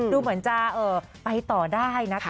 ดูเหมือนจะไปต่อได้นะคะ